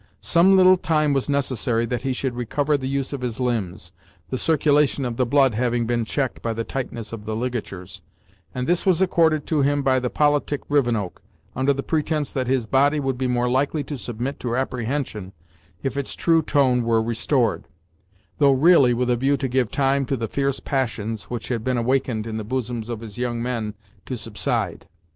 Some little time was necessary that he should recover the use of his limbs, the circulation of the blood having been checked by the tightness of the ligatures, and this was accorded to him by the politic Rivenoak, under the pretence that his body would be more likely to submit to apprehension if its true tone were restored; though really with a view to give time to the fierce passions which had been awakened in the bosoms of his young men to subside.